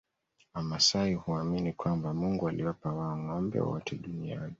Wamasai huamini kwamba Mungu aliwapa wao ngombe wote duniani